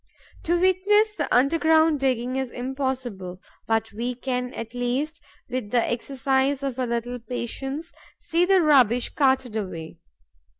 To witness the underground digging is impossible; but we can, at least, with the exercise of a little patience, see the rubbish carted away.